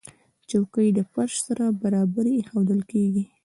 چوکۍ له فرش سره برابرې ایښودل کېږي.